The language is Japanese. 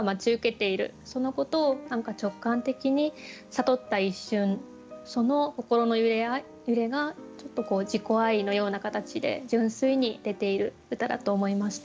そのことを何か直感的に悟った一瞬その心の揺れがちょっとこう自己愛のような形で純粋に出ている歌だと思いました。